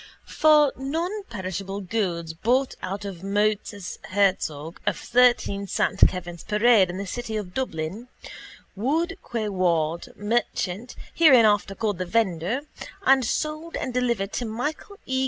_ For nonperishable goods bought of Moses Herzog, of 13 Saint Kevin's parade in the city of Dublin, Wood quay ward, merchant, hereinafter called the vendor, and sold and delivered to Michael E.